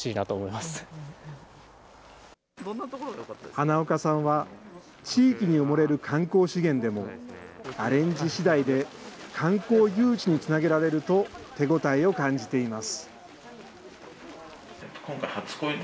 花岡さんは、地域に埋もれる観光資源でも、アレンジしだいで観光誘致につなげられると手応えを感じています。